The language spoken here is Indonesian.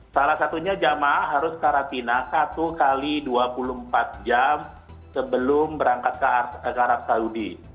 salah satunya jamaah harus karantina satu x dua puluh empat jam sebelum berangkat ke arab saudi